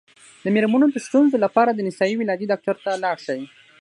د میرمنو د ستونزو لپاره د نسایي ولادي ډاکټر ته لاړ شئ